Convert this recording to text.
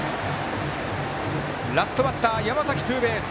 ラストバッター、山崎ツーベース。